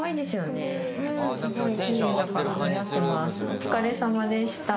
お疲れさまでした。